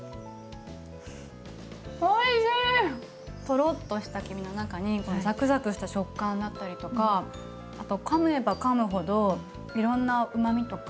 トロッとした黄身の中にザクザクした食感だったりとかあとかめばかむほどいろんなうまみとか。